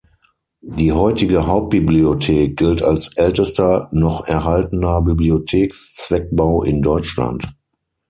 Die heutige Hauptbibliothek gilt als ältester noch erhaltener Bibliotheks-Zweckbau in Deutschland.